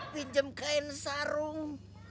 pinjam kain sarung